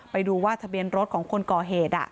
ไปดูว่าทะเบียนรถของคนก่อเหตุ